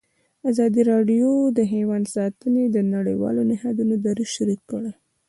ازادي راډیو د حیوان ساتنه د نړیوالو نهادونو دریځ شریک کړی.